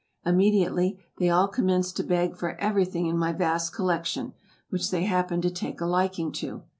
Immediately, they all commenced to beg for everything in my vast collection, which they happened to take a liking to.